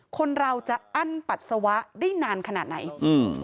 คนเราจะอั้นปัสสาวะได้นานขนาดไหนอืม